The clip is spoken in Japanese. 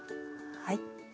はい。